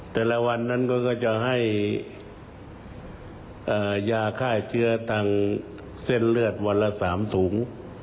แต่ละวันนั้นก็จะให้ยาฆ่าเชื้อทางเส้นเลือดวันละ๓ถุง